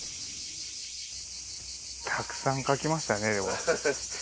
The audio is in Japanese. たくさん描きましたねでも。